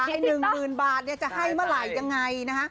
ให้หนึ่งหมื่นบาทเนี่ยจะให้เมื่อไหร่ยังไงนะฮะ